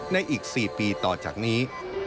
ในอีก๔ปีต่อจากนี้